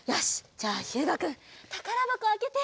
じゃあひゅうがくんたからばこをあけて。